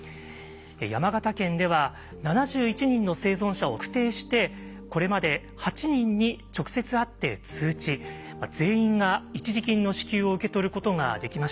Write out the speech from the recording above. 山形県では７１人の生存者を特定してこれまで８人に直接会って通知全員が一時金の支給を受け取ることができました。